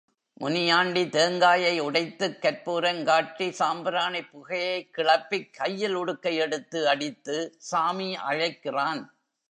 முனியாண்டி தேங்காயை உடைத்துக் கற்பூரம் காட்டி சாம்பிராணிப் புகையைக் கிளப்பிக் கையில் உடுக்கை யெடுத்து அடித்து சாமி அழைக்கிறான்.